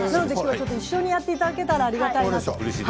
一緒にやっていただけたらうれしいです。